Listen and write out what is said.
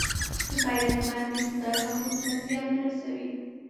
غیرتمند د خدای مخلوق ته زیان نه رسوي